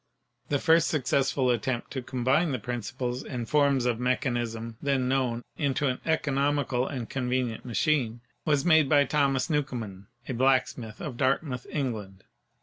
The first successful attempt to combine the principles and forms of mechanism then known into an economical and convenient machine was made by Thomas Newcomen, a blacksmith of Dartmouth, England.